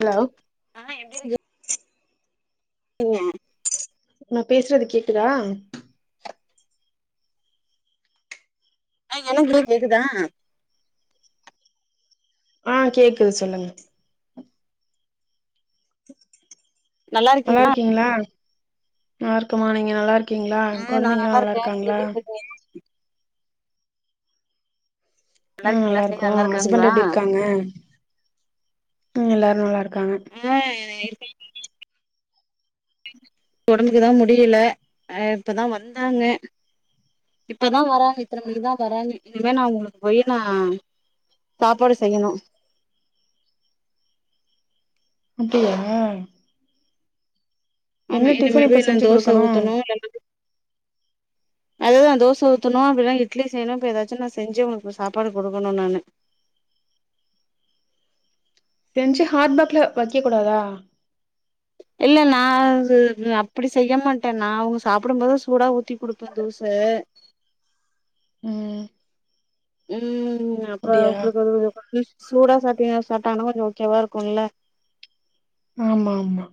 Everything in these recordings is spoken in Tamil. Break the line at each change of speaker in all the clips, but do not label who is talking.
ஹலோ
ஆ [inaudible] [inaudible]
நா பேசுறது கேக்குதா
நா என்ன சொல்றே கேக்குதா
ஆ கேக்குது சொல்லுங்க
நல்லா இருக்கீங்களா
நல்லாருக்கீங்ளா நல்லாருக்கமா நீங்க நல்லாருக்கீங்ளா
ஆ நா
கொழந்தைங்களா
நல்லா இருக்கே நீங்க
நல்லாருக்காங்ளா
எப்டி இருக்கீங்க நல்லா
ம்
இருக்கீங்களா பிள்ளைங்க
நல்லாருக்கோ
நல்லா
அஸ்பண்ட்டு
இருக்காங்களா
எப்டி இருக்காங்க ம் எல்லாரு நல்லாருக்காங்க
[unintelligible] ஒடம்புக்கு தா முடில ஆ இப்பதா வந்தாங்க இப்பதா வராங்க இத்தன மணிக்கு தா வராங்க இனிமே நா அவுங்களுக்கு போய் நா சாப்பாடு செய்யனு
இப்பயா
ஆமா இனிமே
டிஃபன் இப்ப
போய் நா
செஞ்சு
தோச
குடுக்கணு
ஊத்தனு அததா தோச ஊத்தனு அப்டில்லா இட்லி செய்னு இப்ப எதாச்சு நா செஞ்சு அவுங்களுக்கு சாப்பாடு குடுக்கனு நானு
செஞ்சு ஹாட்பாக்ல வக்க கூடாதா
இல்ல நா அது அப்டி செய்ய மாட்டே நா அவங்க சாப்டம்போதே சூடா ஊத்தி குடுப்பே தோச
ம்
ம் அப்ப
அப்டியா
அவுங்களுக்கு அது கொஞ்சோ [unintelligible] சூடா சாப்டிங்னா சாப்டாங்கன்னா கொஞ்சொ ஓகேவா இருக்குல்ல
ஆமா ஆமா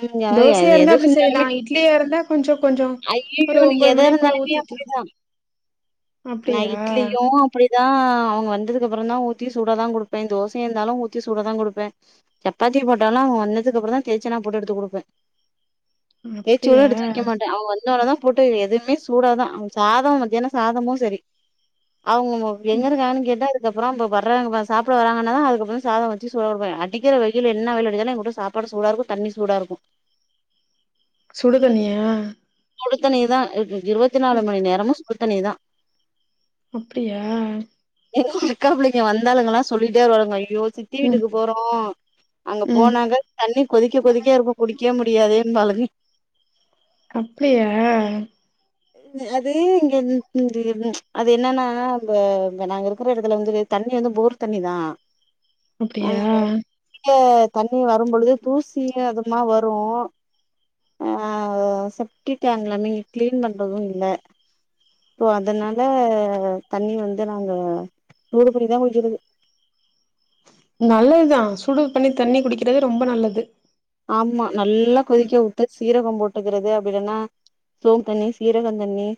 ம் அது
தோசயாருந்தா
எது
அப்டி செய்லா
செஞ்சாலுமே
இட்லியாருந்தா கொஞ்ச கொஞ்சொ
ஐயையோ
ஒரு
எனக்கு
ஒம்பது
எதா
மணிய போல
இருந்தாலுமே
ஊத்தி வெக்லா
அப்டிதா நா இட்லியு அப்டிதா அவுங்க வந்ததுக்கப்றந்தா ஊத்தி சூடாதா குடுப்பே தோசயாந்தாலு ஊத்தி சூடாதா குடுப்பே சப்பாத்தி போட்டாலு அவுங்க வந்ததுக்கப்றந்தா தே ச்சுனா போட்டு எடுத்து குடுப்பே தேச்சு கூட
அப்டியா
எடுத்து வெக்க மாட்டே அவுங்க வந்தோனதா போட்டு எதுமே சூடாதா அவுங்க சாதோ மதியான சாதமு செரி அவுங்க எங்கருக்காங்கன் கேட்டு அதுக்கப்றோ இப்ப வர்றாங்கபா சாப்ட வராங்கன்னா தா அதுக்கப்றோ சாதோ வெச்சு சோறுவே அடிக்கிற வெயில் என்ன வெயிலடிச்சாலு எங் வூட்ல சாப்பாடு சூடாருக்கு தண்ணி சூடாருக்கு
சுடு தண்ணியா
சுடுத்தண்ணி தா இருவத்தி நாலு மணி நேரமு சுடு தண்ணி தா
அப்டியா
எங்க அக்கா புள்ளைங்க வந்தாளுங்கல்லா சொல்லிட்டே வருவாளுங்க ஐயோ சித்தி
ம்
வீட்டுக்கு போறோ அங்க
ம்
போனாக்க தண்ணி கொதிக்க கொதிக்க இருக்கு குடிக்கே முடியாதேன் பாளுங்க
அப்டியா
அது இங்க இது அது என்னன்னா அந்த ப்ப நாங்க இருக்ற எடத்துல வந்து தண்ணி வந்து போர் தண்ணி தா
அப்டியா
ஆ தண்ணி வரும் பொழுதே தூசியு அதுமா வரு ஆ செப்டிடேங்ல்லாமே இங்க கிளீன் பண்றது இல்ல ஸோ அதனால தண்ணி வந்து நாங்க சூடு பண்ணிதா குடிக்கிறது
நல்லது தான் சுடு பண்ணி தண்ணி குடிக்கறது ரொம்ப நல்லது
ஆமா நல்லா கொதிக்க விட்டு சீரகம் போ ட்டுக்கிறது அப்டி இல்லனா சோம்பு தண்ணி, சீரக தண்ணி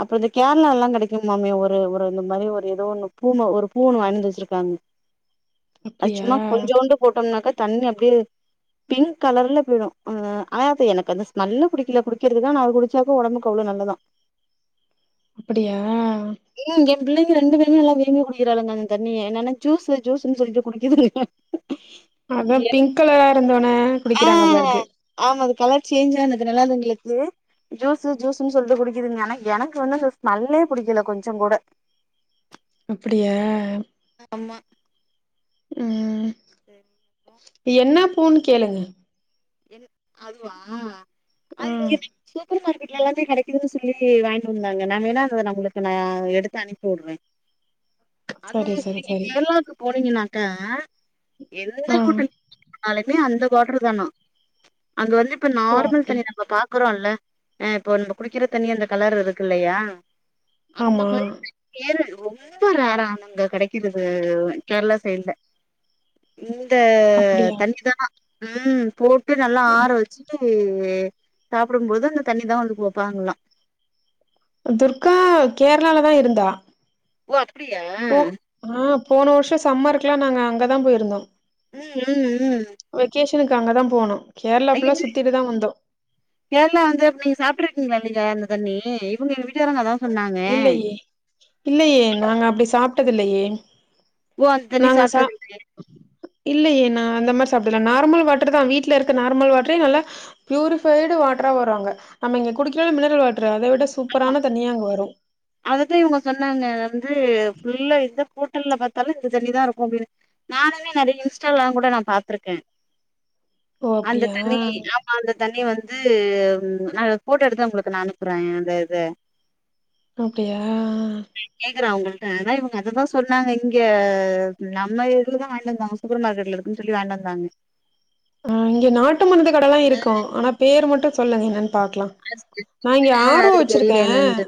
அப்றோ இந்த கேரளா எல்லா கெடைக்குன் மாமே ஒரு ஒரு இந்த மாரி ஒரு எதோ ஒண்ணு பூமை ஒரு பூன்னு வாங்கிந்து வெச்சிருக்காங்க அது
அப்டியா
சும்மா கொஞ்சோண்டு போட்டோம்னாக்க தண்ணி அப்டியே பிங்க் கலர்ல போயிடு அ ஆனா அது எனக்கு அந்த ஸ்மெல்லு புடிக்கல குடிக்கிறதுதா நா குடி ச்சாக்கு ஒடம்புக்கு அவ்ளோ நல்லதா
அப்டியா
ஏங்க என் பிள்ளைங்க ரெண்டு பேருமே நல்லா விரும்பி குடிக்கிறாளுங்க அந்த தண்ணிய என்னனா ஜூஸ் ஜூஸ்ன்னு சொல்லிட்டு குடிக்குதுங்க [inaudible]
அதா பிங்க் கலரா இருந்தொன்ன
ஆ ஆமா அது கலர் சேஞ்ச் ஆனதுல அதுங்களுக்கு ஜூஸ் ஜூஸ்ன்னு சொல்லிட்டு குடிக்குதுங்க ஆனா எனக்கு வந்து அந்த ஸ்மெல்லே புடிக்கல கொஞ்சங் கூட [inaudible]
அப்படியா
ஆமா
ம் என்ன பூன்னு கேளுங்க
என் அதுவா அது
ம்
சூப்பர் மார்க்கெட்ல எல்லாமே கெடைக்குதுன்னு சொல்லி வாங்கிட்டு வந்தாங்க நா வேணா அத உங்களுக்கு நா எடுத்து அனுப்பி விடுறேன். அது
சரி
நீங்க
சரி சரி
கேரளாவுக்கு போனீங்கனாக்கா எந்த
ம்
ஹோட்டல் போனாலுமே அந்த ஹோட்டர் தானா அங்க வந்து இப்ப
ஓ
நார்மல்
அப்டி
தண்ணி நம்ம பாக்குறோல்ல ஆ இப்போ நம்ம குடிக்கிற தண்ணி அந்த கலர் இருக்கில்லயா அந்த
ஆமா
மாரி ஏரல் ரொம்ப ரேராங்க கெடைக்கிறது கேரளா சைடு்ல இந்த
அப்டியா
தண்ணிதா ம் போட்டு நல்லா ஆற வெச்சு இது சாப்டும்போது அந்த தண்ணிதான் வந்து வெப்பாங்ளா
துர்கா கேரளாலதா இருந்தா
ஓ அப்டியா
போ ஆ போன வருஷோ சம்மருக்கெல்லா நாங்க அங்கதா போயிருந்தோ
ம் ம் ம்
வெகேஷனுக்கு அங்கதான் போனோ கேரளா
ஐயோ
ஃபுல்லா சுத்திட்டுதா வந்தோ
கேரளா வந்து நீங்க சாப்ட்டு இருக்கீங்ளா நீங்க அந்த தண்ணி இவங்க வீட்டுக்காரர் அதான்
இல்லயே இல்லயே நாங்க அப்டி சாப்பிட்டது இல்லயே
ஓ அந்த தண்ணி
நாங்க சா
சாப்பிட்டது
இல்லயே நா அந்த மாரி சாப்பிடல நார்மல் வாட்டர்தான் வீட்ல இருக்க நார்மல் வாட்டரே நல்லா பியூரிஃபைடு வாட்டரா வரு அங்க நம்ம இங்க குடிக்கற மினரல் வாட்டர் அத விட சூப்பரான தண்ணியா அங்க வரு
அதத்தா இவுங்க சொன்னாங்க வந்து ஃபுல்லா இந்த ஹோட்டல்ல பாத்தாலு இந்த தண்ணிதா இருக்கு அப்டின்னு நானுமே நெறைய இன்ஸ்டாலா கூட நா பாத்திருக்கேன்
ஓ
அந்த
அப்டியா
தண்ணி அந்த தண்ணி வந்து நா போட்டோ எடுத்து உங்களுக்கு நான் அனுப்புறேன் அந்த இத
அப்டியா
கேக்குறேன் உங்கள்ட்ட அதா இவங்க அததா சொன்னாங்க இங்க நம்ம இதுலதா வாங்கிட்டு வந்தாங்க சூப்பர் மார்க்கெட்ல இருக்குன்னு சொல்லி வாங்கிட்டு வந்தாங்க.
ஆ இங்க நாட்டு மருந்து கடைல எல்லா
இந்த
இருக்கா ஆனா பேர் மட்டு சொல்லுங்க என்னன்னு பாக்கலா நா இங்க
ஆ
ஆர் ஓ
அது தெரியல
வெச்சிருக்கேன்
என்னன்ட்டு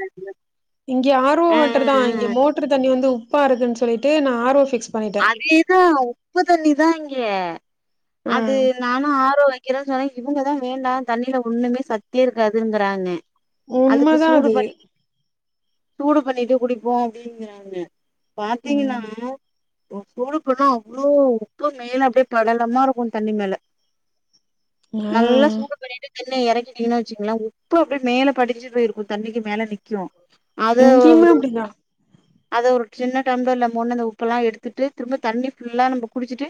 இங்க ஆர் ஓ
ஆ ஆ
வாட்டர்தான் இங்க
ஆ
மோ ட்டர் தண்ணி வந்து உப்பா இருக்குன்னு சொல்லிட்டு நா ஆர் ஓ பிக்ஸ்
அதேதா உப்பு தண்ணிதா இங்க அது
ம்
நானு ஆர் ஓ வெக்கிறன் சொன்னே இவுங்கதா வேண்டாந் தண்ணில ஒன்னுமே சத்தே இருக்காதுங்கறாங்க. அதுக்கு
உண்மதா
சூடு
அது
பண்ணி நீங்க சூடு பண்ணிட்டு குடிப்போ அப்டிங்கறாங்க பாத்தீங்கனா
ம்
ம் சூடு பண்ணா அவ்ளோ உப்பு மேல அப்டே படலமாருக்கு தண்ணி மேல.
ஆ
நல்லா
ஆ
சூடு பண்ணிட்டு தண்ணிய எறக்கிடிங்கன் வெச்சுக்குங்ளே உப்பு அப்டியே மேல படிச்சு போயிருக்கு தண்ணிக்கு மேல நிக்கு. அத
இங்கேயுமே
ஒவ்ரு
அப்படிதா
அத ஒரு சின்ன டம்லர்ல மொன்டு அந்த உப்பல்லா எடுத் துட்டு திரும்ப தண்ணி ஃபுல்லா நம்ப குடிச்சிட்டு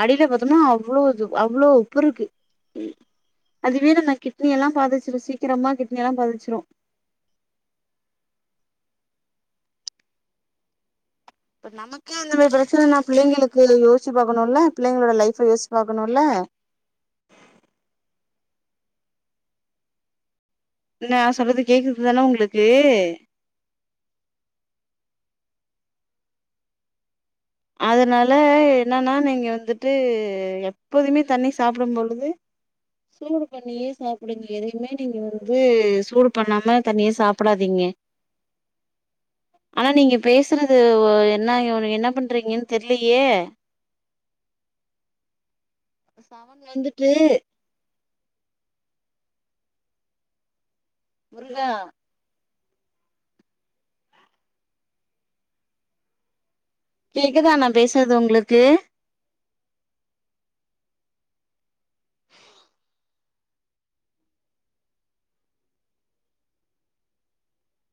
அடில பாத்தம்னா அவ்ளோது அவ்ளோ உப்பு இருக்கு ம். அதுவே நம்ம கிட்னி எல்லா பாதிச்சிரு சீக்கிரமா கிட்னி எல்லா பாதிச்சிரு. இப்ப நமக்கே அந்தமாரி பிரச்சனனா பிள்ளைங்ளுக்கு யோசிச்சு பாக்குணுல்ல பிள்ளைங்களோட லைஃப யோசிச்சு பாக்கணும்ல்ல. நா சொல்றது கேக்குதுதான உங்குளுக்கு? அதனால என்னென்னா நீங்க வந்துட்டு எப்போதுமே தண்ணி சாப்டும் பொழுது சூடு பண்ணியே சாப்புடுங்க எதையுமே நீங்க வந்து சூடு பண்ணாம தண்ணிய சாப்படாதீங்க. ஆனா நீங்க பேசுறது ஒ என்ன இவுனுக் என்ன பண் றீங்கன் தெர்லியே. இப்ப செவன் வந்துட்டு முருகா கேக்குதா நா பேசுறது உங்களுக்கு?